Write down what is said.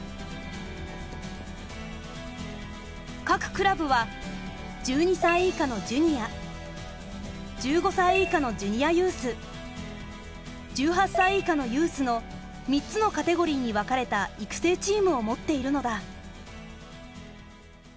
各クラブは１２歳以下のジュニア１５歳以下のジュニアユース１８歳以下のユースの３つのカテゴリーに分かれた育成チームを持っているのだ。